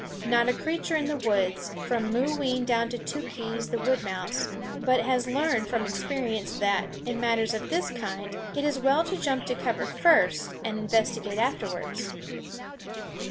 Not a creature in the woods, from Mooween down to Tookhees the wood mouse, but has learned from experience that, in matters of this kind, it is well to jump to cover first and investigate afterwards.